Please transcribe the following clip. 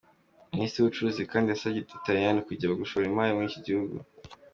Minisitiri w’ubucuruzi kandi yasabye abataliyani kujya gushora imari muri iki gihugu.